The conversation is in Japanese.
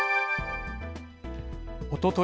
おととい